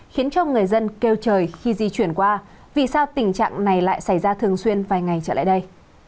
khiến cho người dân kêu trời khi di chuyển qua vì sao tình trạng này lại xảy ra thường xuyên vài ngày trở lại đây